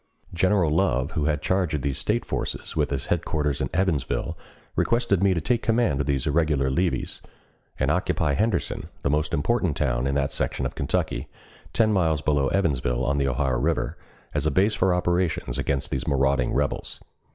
General Love, who had charge of these State forces, with his headquarters at Evansville, requested me to take command of these irregular levies, and occupy Henderson, the most important town in that section of Kentucky, ten miles below Evansville on the Ohio River, as a base for operations against these marauding rebels.